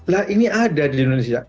lah ini ada di indonesia